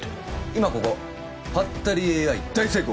今ここ「ハッタリＡＩ大成功」